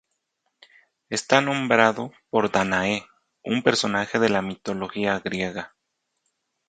Está nombrado por Dánae, un personaje de la mitología griega.